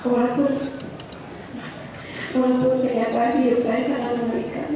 walaupun ternyata hidup saya sangat mengerikan